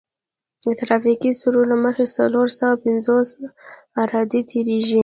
د ترافیکي سروې له مخې څلور سوه پنځوس عرادې تیریږي